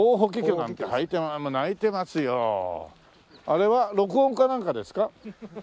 あれは録音かなんかですか？